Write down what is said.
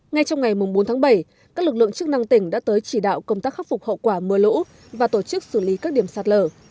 ngay trong ngày bốn tháng bảy các lực lượng chức năng tỉnh đã tới chỉ đạo công tác khắc phục hậu quả mưa lũ và tổ chức xử lý các điểm sạt lở